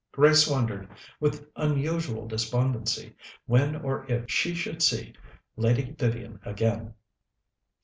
Grace wondered, with unusual despondency, when or if she should see Lady Vivian again.